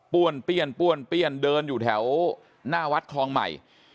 ้วนเปี้ยนป้วนเปี้ยนเดินอยู่แถวหน้าวัดคลองใหม่